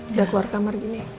udah keluar kamar gini